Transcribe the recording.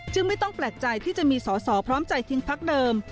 ไม่ต้องแปลกใจที่จะมีสอสอพร้อมใจทิ้งพักเดิม